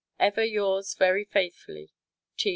Ever yours very faithfully, T.